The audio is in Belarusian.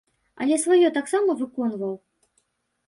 Але сваё таксама выконваў?